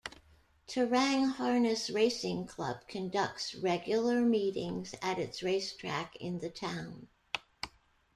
Terang Harness Racing Club conducts regular meetings at its racetrack in the town.